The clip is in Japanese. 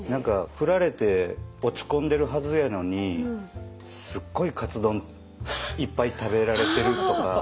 振られて落ち込んでるはずやのにすっごいカツ丼いっぱい食べられてるとか。